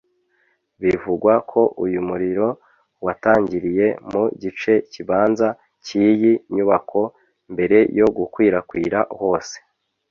Bivugwa ko uyu muriro watangiriye mu gice kibanza cy’iyi nyubako mbere yo gukwirakwira hose